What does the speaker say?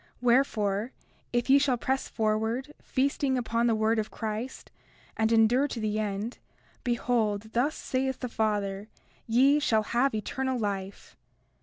Wherefore, if ye shall press forward, feasting upon the word of Christ, and endure to the end, behold, thus saith the Father: Ye shall have eternal life.